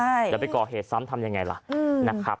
เดี๋ยวไปก่อเหตุซ้ำทำยังไงล่ะนะครับ